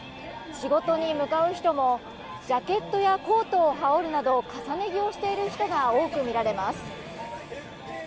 仕事に向かう人もジャケットやコートを羽織るなど重ね着をしている人が多く見られます。